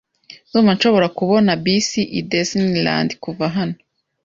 Ndumva nshobora kubona bisi i Disneyland kuva hano.